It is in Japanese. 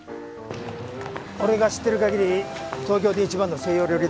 俺が知ってる限り東京で一番の西洋料理店だ。